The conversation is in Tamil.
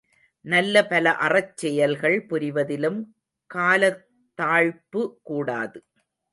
நல்ல பல அறச் செயல்கள் புரிவதிலும் காலத்தாழ்ப்பு கூடாது.